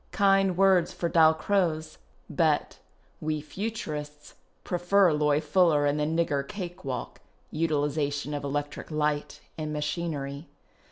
Kind words for Dalcroze ; but " we Futurists prefer Loie Fuller and the nigger cake walk (utiliza tion of electric light and machinery)."